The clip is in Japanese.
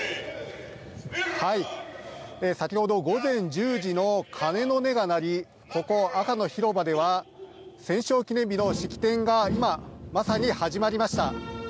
先ほど午前１０時の鐘の音が鳴りここ赤の広場では戦勝記念日の式典が今まさに始まりました。